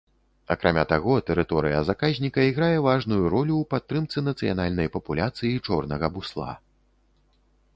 Акрамя таго, тэрыторыя заказніка іграе важную ролю ў падтрымцы нацыянальнай папуляцыі чорнага бусла.